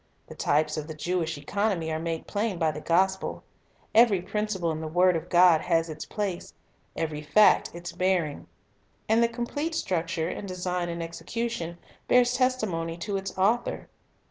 The types of the Jewish economy are made plain by the gospel. Every principle in the word of God has its place, every fact its bearing. And the complete structure, in design and execution, bears testimony to its Author.